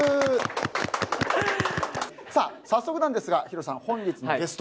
早速なんですがヒロさん本日のゲスト。